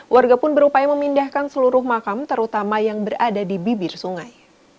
warga pun berupaya memindahkan seluruh makam terutama yang berada di bibir sungai